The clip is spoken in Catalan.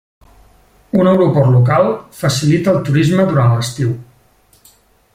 Un aeroport local facilita el turisme durant l'estiu.